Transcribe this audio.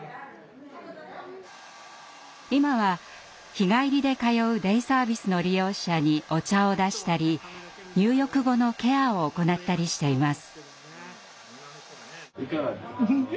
今は日帰りで通うデイサービスの利用者にお茶を出したり入浴後のケアを行ったりしています。